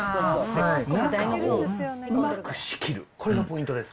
中をうまく仕切る、これがポイントです。